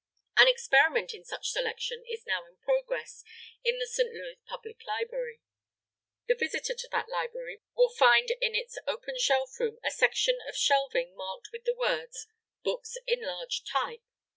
An experiment in such selection is now in progress in the St. Louis Public Library. The visitor to that library will find in its Open Shelf Room a section of shelving marked with the words "Books in large type."